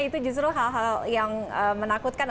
itu justru hal hal yang menakutkan